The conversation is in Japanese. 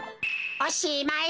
おしまい。